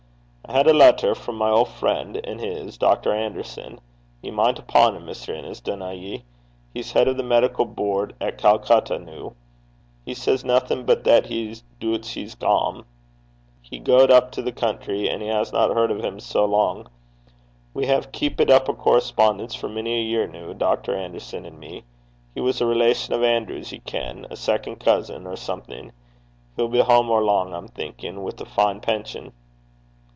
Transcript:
'I had a letter frae my auld frien' and his, Dr. Anderson. Ye min' upo' him, Mr. Innes, dunna ye? He's heid o' the medical boord at Calcutta noo. He says naething but that he doobts he's gane. He gaed up the country, and he hasna hard o' him for sae lang. We hae keepit up a correspondence for mony a year noo, Dr. Anderson an' me. He was a relation o' Anerew's, ye ken a second cousin, or something. He'll be hame or lang, I'm thinkin', wi' a fine pension.'